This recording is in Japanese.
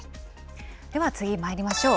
では次まいりましょう。